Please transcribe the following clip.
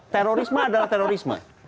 terorisme adalah terorisme